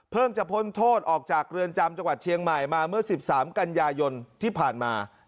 จะพ้นโทษออกจากเรือนจำจังหวัดเชียงใหม่มาเมื่อ๑๓กันยายนที่ผ่านมา